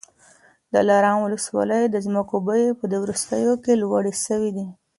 د دلارام ولسوالۍ د مځکو بیې په دې وروستیو کي لوړي سوې دي.